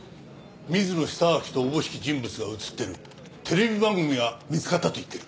水野久明とおぼしき人物が映ってるテレビ番組が見つかったと言ってる。